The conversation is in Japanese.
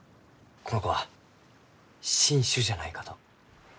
この子は新種じゃないかと。